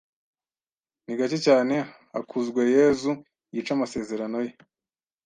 Ni gake cyane Hakuzweyezu yica amasezerano ye.